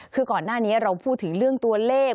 คือก่อนหน้านี้เราพูดถึงเรื่องตัวเลข